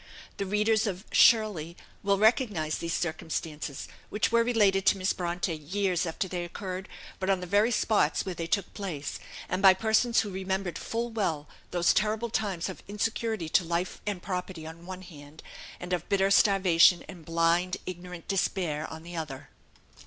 The readers of "Shirley" will recognise these circumstances, which were related to Miss Bronte years after they occurred, but on the very spots where they took place, and by persons who remembered full well those terrible times of insecurity to life and property on the one hand, and of bitter starvation and blind ignorant despair on the other.